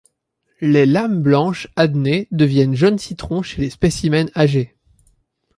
Les lames blanches adnées deviennent jaune citron chez les spécimens âgés.